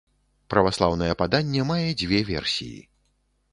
Праваслаўнае паданне мае дзве версіі.